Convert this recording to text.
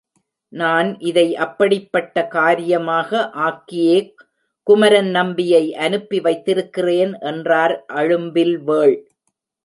நான் இதை அப்படிப் பட்ட காரியமாக ஆக்கியே குமரன் நம்பியை அனுப்பி வைத்திருக்கிறேன் என்றார் அழும்பில்வேள்.